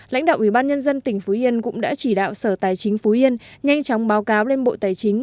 lãnh đạo ubnd tỉnh phú yên cũng đã chỉ đạo sở tài chính phú yên nhanh chóng báo cáo lên bộ tài chính